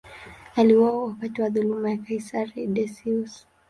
Aliuawa wakati wa dhuluma ya kaisari Decius.